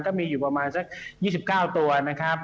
ก็มีอยู่ประมาณสัก๒๙ตัวนะครับ